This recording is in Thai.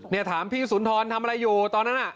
ถามพี่สุนทรทำอะไรอยู่ตอนนั้นน่ะ